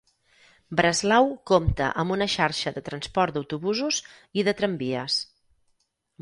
Breslau compta amb una xarxa de transport d'autobusos i de tramvies.